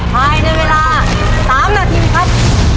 ภายในเวลา๓นาทีครับ